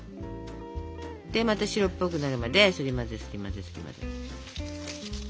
でまた白っぽくなるまですり混ぜすり混ぜすり混ぜ。